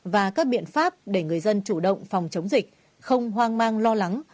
và các biện pháp để người dân chủ động phòng chống dịch không hoang mang lo lắng